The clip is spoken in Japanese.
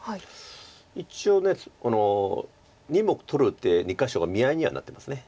一応２目取る手２か所が見合いにはなってます。